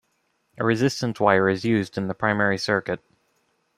A resistance wire is used in the primary circuit.